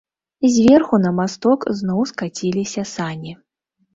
Зверху на масток зноў скаціліся сані.